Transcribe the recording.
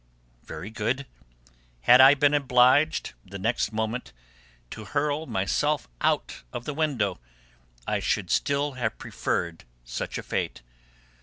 Very good: had I been obliged, the next moment, to hurl myself out of the window, I should still have preferred such a fate.